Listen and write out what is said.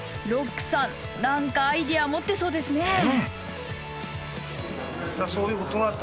ロックさん何かアイデア持ってそうですね。